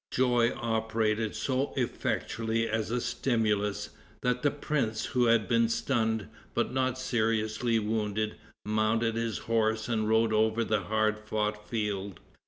Joy operated so effectually as a stimulus, that the prince, who had been stunned, but not seriously wounded, mounted his horse and rode over the hard fought field.